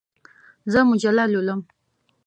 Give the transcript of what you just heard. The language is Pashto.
زه مجله لولم.